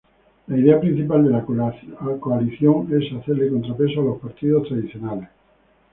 La idea principal de la coalición es hacerle contrapeso a los partidos tradicionales.